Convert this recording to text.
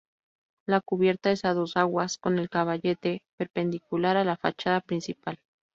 La cubierta es a dos aguas, con el caballete perpendicular a la fachada principal.